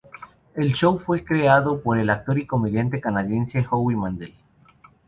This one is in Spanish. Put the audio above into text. El show fue creado por el actor y comediante canadiense Howie Mandel.